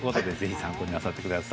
参考になさってください。